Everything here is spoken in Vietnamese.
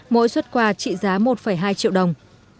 mỗi xuất quà trị giá một hai triệu đồng